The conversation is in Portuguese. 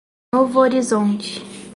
Novorizonte